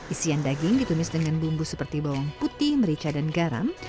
isian daging ditumis dengan bumbu seperti bawang putih merica dan garam